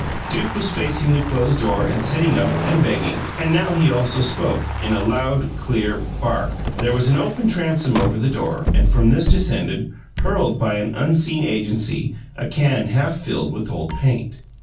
Duke was facing the closed door and sitting up and begging, and now he also spoke in a loud, clear bark. There was an open transom over the door, and from this descended hurled by an unseen agency a can half filled with old paint.